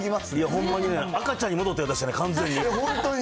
ほんまにね、赤ちゃんに戻ったようでしたね、完全に。